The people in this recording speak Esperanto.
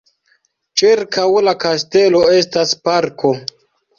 Ĉirkaŭ la kastelo estas parko.